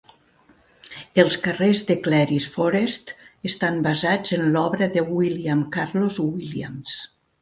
Els carrers de Clary's Forest estan basats en l'obra de William Carlos Williams.